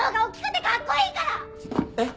えっ？